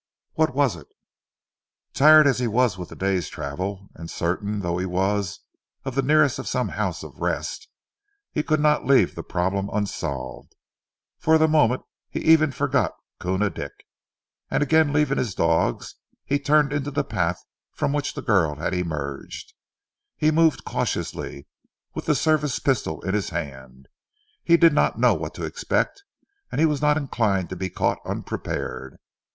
What was it? Tired as he was with the day's travel, and certain though he was of the nearness of some house of rest, he could not leave the problem unsolved. For the moment he even forgot Koona Dick, and again leaving his dogs he turned into the path from which the girl had emerged. He moved cautiously, with the service pistol in his hand. He did not know what to expect, and he was not inclined to be caught unprepared.